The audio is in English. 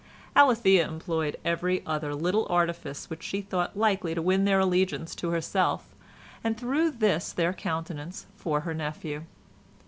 Alethea employed every other little artifice which she thought likely to win their allegiance to herself, and through this their countenance for her nephew.